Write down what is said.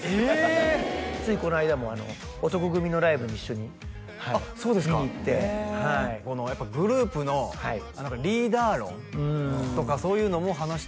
ついこの間も男闘呼組のライブに一緒に見に行ってはいこのやっぱ「グループのリーダー論とかそういうのも話して」